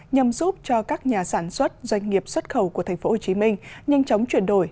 nhằm giúp cho các nhà sản xuất doanh nghiệp xuất khẩu của tp hcm nhanh chóng chuyển đổi